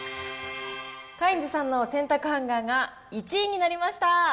カインズさんの洗濯ハンガーが１位になりました。